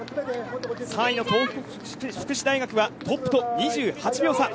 ３位の東北福祉大学はトップと２８秒差。